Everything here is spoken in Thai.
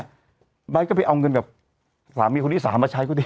ไบบิตก็ไปเอาเงินแบบสามีคนที่๓มาใช้เค้าได้